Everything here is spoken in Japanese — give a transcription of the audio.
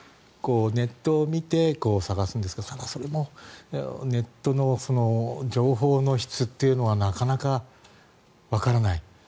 ネットを見て探すんですがただ、それもネットの情報の質というのはなかなかわからない。